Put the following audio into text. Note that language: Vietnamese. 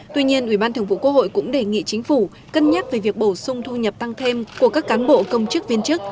tuy nhiên ủy ban thường vụ quốc hội cũng đề nghị chính phủ cân nhắc về việc bổ sung thu nhập tăng thêm của các cán bộ công chức viên chức